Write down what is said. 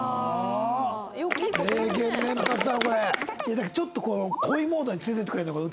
だからちょっと恋モードに連れてってくれるんだよ